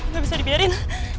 ga bisa dibiarin